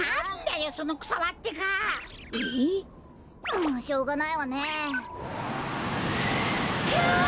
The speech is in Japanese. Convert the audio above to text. もうしょうがないわねえ。くっ！